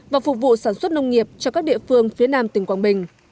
và phục vụ sản xuất nông nghiệp cho các địa phương phía nam tỉnh quảng bình